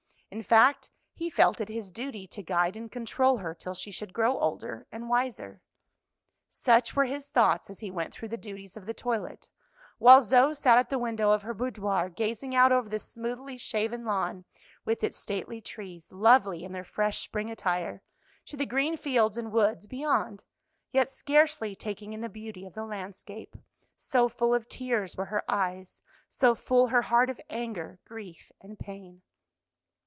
In fact, he felt it his duty to guide and control her till she should grow older and wiser." Such were his thoughts as he went through the duties of the toilet, while Zoe sat at the window of her boudoir gazing out over the smoothly shaven lawn with its stately trees, lovely in their fresh spring attire, to the green fields and woods beyond, yet scarcely taking in the beauty of the landscape, so full of tears were her eyes, so full her heart of anger, grief, and pain.